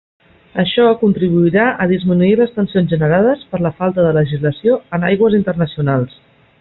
Això contribuirà a disminuir les tensions generades per la falta de legislació en aigües internacionals.